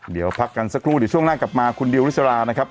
เดี๋ยวพักกันสักครู่เดี๋ยวช่วงหน้ากลับมาคุณดิวริสรานะครับ